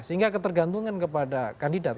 sehingga ketergantungan kepada kandidat